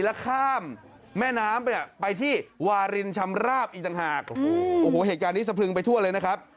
แล้วข้ามแม่น้ำไปไปที่วารินชำราบอีกต่างหากโอ้โหเหตุการณ์นี้สะพรึงไปทั่วเลยนะครับ